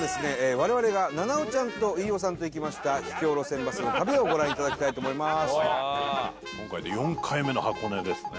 我々が菜々緒ちゃんと飯尾さんと行きました秘境路線バスの旅をご覧いただきたいと思います」